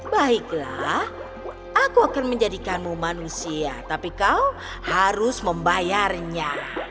baiklah aku akan menjadikanmu manusia tapi kau harus membayarnya